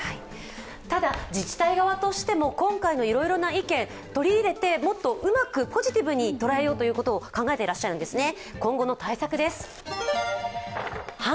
ただ自治体側としても、今回のいろいろな意見を取り入れてもっとうまくポジティブにとらえようと考えているんですね。